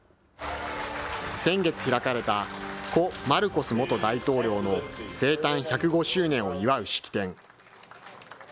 先月開かれた、故・マルコス元大統領の生誕１０５周年を祝う式典。